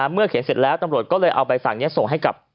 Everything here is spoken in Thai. เขียนเสร็จแล้วตำรวจก็เลยเอาใบสั่งนี้ส่งให้กับ